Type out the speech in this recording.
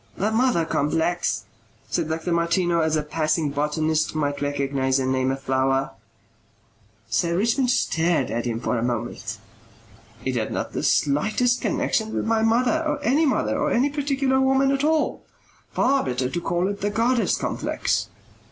"The mother complex," said Dr. Martineau as a passing botanist might recognize and name a flower. Sir Richmond stared at him for a moment. "It had not the slightest connexion with my mother or any mother or any particular woman at all. Far better to call it the goddess complex."